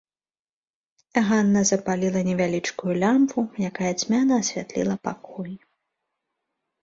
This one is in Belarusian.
Ганна запаліла невялічкую лямпу, якая цьмяна асвятліла пакой.